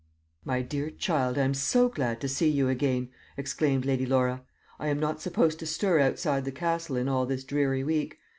"My dear child, I am so glad to see you again!" exclaimed Lady Laura. "I am not supposed to stir outside the Castle in all this dreary week.